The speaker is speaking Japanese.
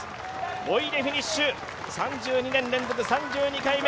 ５位でフィニッシュ３２年連続３２回目